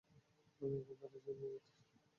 আমি একবারের জন্য জিততে চাই!